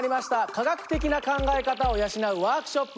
科学的な考え方を養うワークショップ